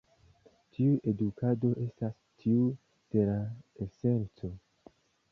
Tiu edukado estas tiu de la esenco.